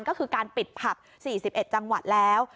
ก็คือการปิดผับ๔๑จังหวัดแล้ว